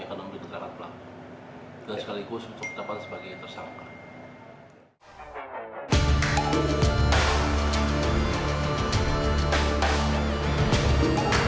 akan memberi keterangan pelaku dan sekaligus untuk dapat sebagai tersangka